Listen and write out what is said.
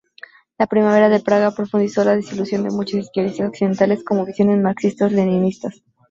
La Primavera de Praga profundizó la desilusión de muchos izquierdistas occidentales con visiones marxistas-leninistas.